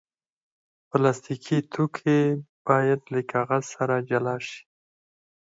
پلاستيکي توکي باید له کاغذ سره جلا شي.